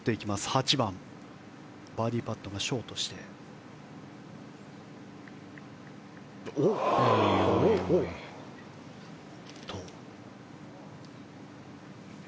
８番、バーディーパットがショートしました。